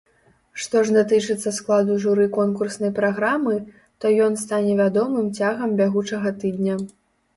Што ж датычыцца складу журы конкурснай праграмы, то ён стане вядомым цягам бягучага тыдня.